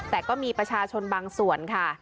แต่ก็มีประชาชนบางส่วนค่ะ